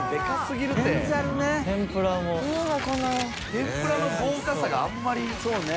天ぷらの豪華さがあんまりそうね。